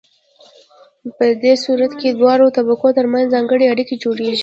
په دې صورت کې د دواړو طبقو ترمنځ ځانګړې اړیکې جوړیږي.